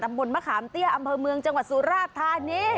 บนมะขามเตี้ยอำเภอเมืองจังหวัดสุราชธานี